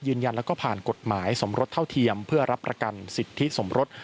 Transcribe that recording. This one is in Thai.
ยืนยันแล้วก็ผ่านกฎหมายสมรสเท่าเทียมเพื่อรับประกันสิทธิสมรส